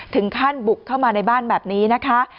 ถึงขั้นบุกเข้ามาในบ้านแบบนี้นะคะ